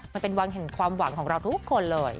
มันเป็นวังแห่งความหวังของเราทุกคนเลย